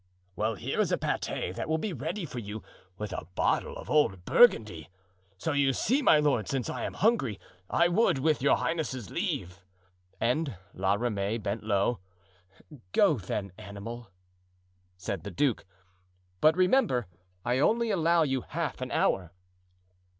'Well, here is a pate that will be ready for you, with a bottle of old Burgundy.' So, you see, my lord, since I am hungry, I would, with your highness's leave——" And La Ramee bent low. "Go, then, animal," said the duke; "but remember, I only allow you half an hour."